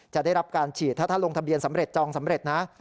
ได้รับการฉีดถ้าลงทะเบียนสำเร็จจองสำเร็จนะ